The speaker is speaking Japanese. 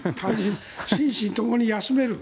心身ともに休める。